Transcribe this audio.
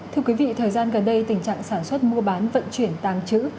thưa quý vị thời gian gần đây tình trạng sản xuất mua bán vận chuyển tàng trữ